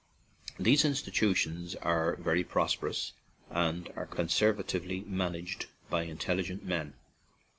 These institutions are very prosper ous and are conservatively managed by intelligent men.